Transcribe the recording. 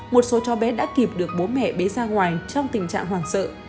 một số chó bé đã kịp được bố mẹ bế ra ngoài trong tình trạng hoàng sợ